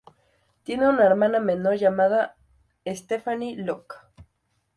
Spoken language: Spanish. Tiene una hermana menor llamada Stephanie Luck.